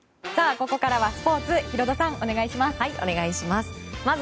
ここからはスポーツヒロドさん、お願いします。